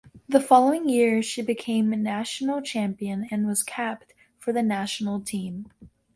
The following year she became national champion and was capped for the national team.